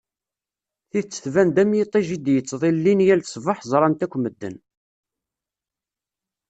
Tidet tban-d am yiṭij i d-yettḍillin yal ṣṣbeḥ ẓran-t akk medden.